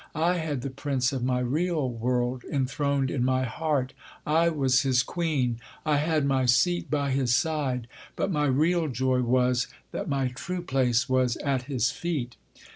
I had the Prince of my real world enthroned in my heart. I was his queen. I had my seat by his side. But my real joy was, that my true place was at his feet.